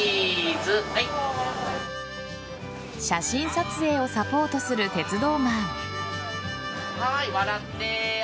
写真撮影をサポートする鉄道マン。